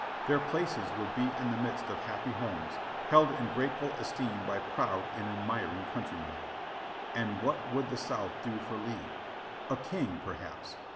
Their places would be in the midst of happy homes, held in grateful esteem by proud and admiring countrymen. And what would the South do for Lee? A king, perhaps.